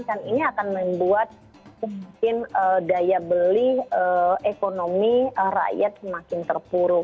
ini akan membuat mungkin daya beli ekonomi rakyat semakin terpuruk